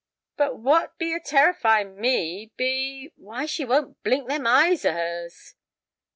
But what be a terrifying me—be—why she won't blink them eyes o' hers."